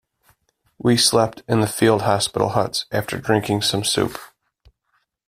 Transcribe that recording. We slept in the field hospital huts, after drinking some soup.